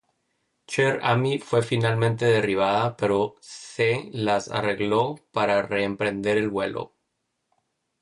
Cher Ami fue finalmente derribada pero se las arregló para reemprender el vuelo.